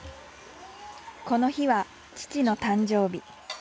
この日は父の誕生日。